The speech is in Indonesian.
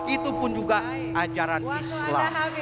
itu pun juga ajaran islam